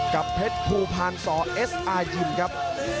กับเพชรผูพรภานสเอสอาร์ยินครับ